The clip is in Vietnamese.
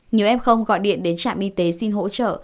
nhiều f gọi điện đến trạm y tế xin hỗ trợ